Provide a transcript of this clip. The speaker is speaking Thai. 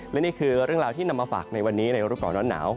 และนี่คือเรื่องราวที่นำมาฝากในวันนี้ในรูปก่อนร้อนหนาว